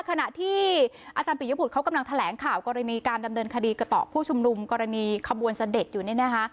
ขณะที่อาจารย์ปิยบุตรเขากำลังแถลงข่าวกรณีการดำเนินคดีกระต่อผู้ชุมนุมกรณีขบวนเสด็จอยู่นี่นะคะ